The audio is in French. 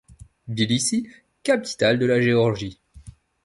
Tbilissi, capitale de la Géorgie.